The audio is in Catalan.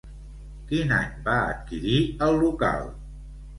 Quin any va adquirir el local?